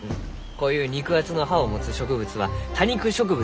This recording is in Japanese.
こういう肉厚な葉を持つ植物は多肉植物ゆうがじゃ。